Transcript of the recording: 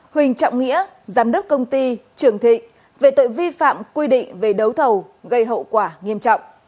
huỳnh trọng nghĩa giám đốc công ty trường thịnh về tội vi phạm quy định về đấu thầu gây hậu quả nghiêm trọng